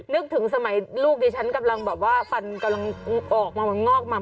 นึกถึงสมัยลูกดิฉันกำลังแบบว่าฟันกำลังออกมางอกมา